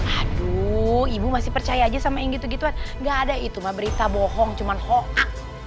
aduh ibu masih percaya aja sama yang gitu gitu kan nggak ada itu mah berita bohong cuman hoax